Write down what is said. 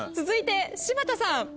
続いて柴田さん。